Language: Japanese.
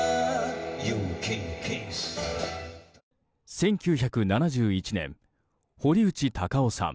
１９７１年、堀内孝雄さん